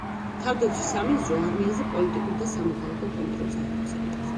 თავდაცვის სამინისტრო არმიაზე პოლიტიკურ და სამოქალაქო კონტროლს ახორციელებს.